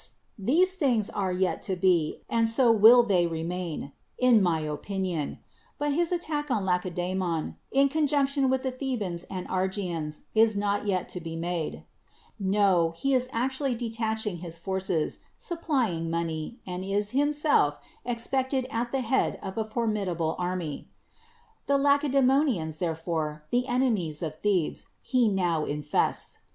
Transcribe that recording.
these things are yet to be, and so will they remain, in my 114 DEMOSTHENES opinion ; but liis attack on Laceda^mon, in con junction with the Thebaus and Argians, is not yet to be made. No : he is actually detaching forces, supplying money, and is himself expect ed at the head of a formidable army. The Lace da?monians, therefore, the enemies of Thebes, he now infests.